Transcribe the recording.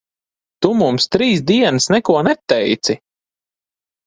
Tu mums trīs dienas neko neteici?